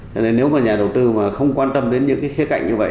cho nên nếu mà nhà đầu tư mà không quan tâm đến những cái khía cạnh như vậy